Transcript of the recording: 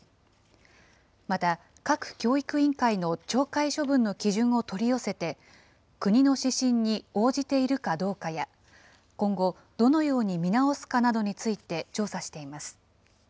また、各教育委員会の懲戒処分の基準を取り寄せて、国の指針に応じているかどうかや、今後、どのように見直すかなどについて調査しています。